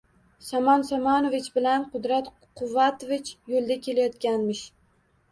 Somon Somonovich bilan Qudrat Quvvatovich yo`lda kelayotganmish